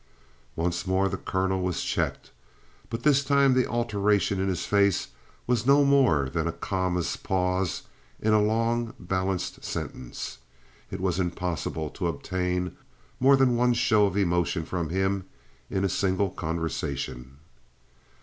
Once more the colonel was checked, but this time the alteration in his face was no more than a comma's pause in a long balanced sentence. It was impossible to obtain more than one show of emotion from him in a single conversation.